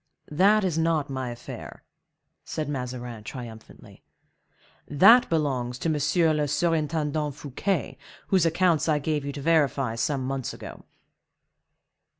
"That is not my affair," said Mazarin, triumphantly; "that belongs to M. le Surintendant Fouquet, whose accounts I gave you to verify some months ago."